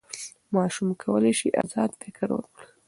ماشوم کولی سي ازاد فکر وکړي.